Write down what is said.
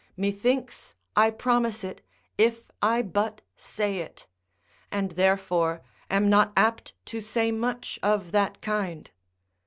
Methinks I promise it, if I but say it: and therefore am not apt to say much of that kind.